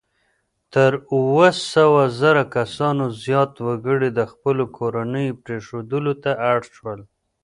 تر اووه سوه زره کسانو زیات وګړي د خپلو کورنیو پرېښودلو ته اړ شول.